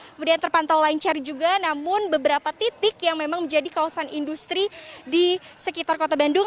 kemudian terpantau lancar juga namun beberapa titik yang memang menjadi kawasan industri di sekitar kota bandung